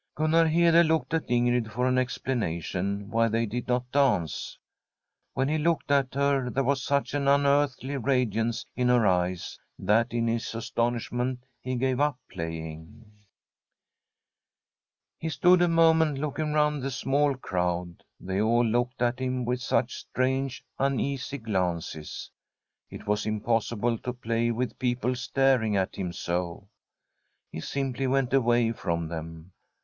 Gunnar Hede looked at Ingrid for an explana tion why they did not dance. When he looked at her there was such an unearthly radiance in her eyes that in his astonishment he gave up playing. 7hi STORY rf a COUNTRY HOUSE He stood a moment looking round the small crowd. They all looked at him with such strange, uneasy glances. It was impossible to play with peo ple staring at him so. He simply went away from them.